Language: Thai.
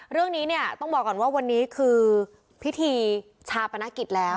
เรื่องนี้เนี่ยต้องบอกก่อนว่าวันนี้คือพิธีชาปนกิจแล้ว